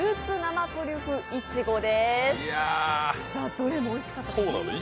どれもおいしかったと思うんですが。